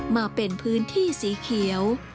มาเป็นพื้นที่สีเขียว